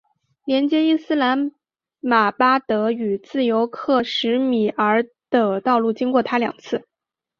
连接伊斯兰马巴德与自由克什米尔的道路经过它两次。